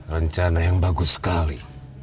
rencana yang bagus sekali